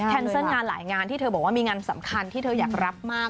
เซิลงานหลายงานที่เธอบอกว่ามีงานสำคัญที่เธออยากรับมาก